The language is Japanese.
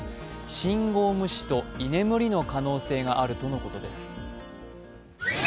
信号無視と居眠りの可能性があるとのことです。